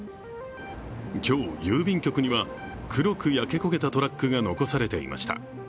今日、郵便局には黒く焼け焦げたトラックが残されていました。